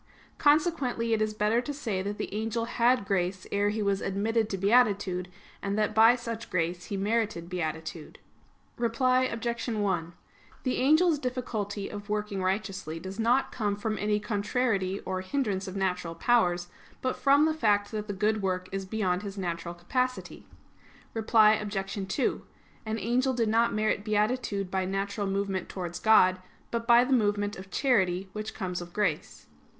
Consequently it is better to say that the angel had grace ere he was admitted to beatitude, and that by such grace he merited beatitude. Reply Obj. 1: The angel's difficulty of working righteously does not come from any contrariety or hindrance of natural powers; but from the fact that the good work is beyond his natural capacity. Reply Obj. 2: An angel did not merit beatitude by natural movement towards God; but by the movement of charity, which comes of grace.